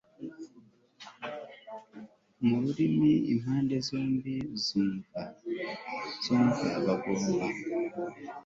mu rurimi impande zombi zumva hagomba